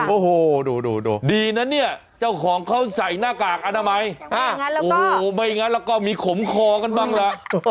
โอ้โหดูดีนะเนี่ยเจ้าของเขาใส่หน้ากากอนามัยโอ้โหไม่งั้นแล้วก็มีขมคอกันบ้างล่ะ